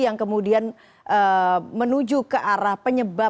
yang kemudian menuju ke arah penyebab